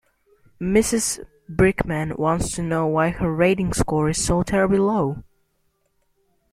Mrs Brickman wants to know why her rating score is so terribly low.